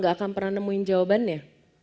gak akan pernah nemuin jawabannya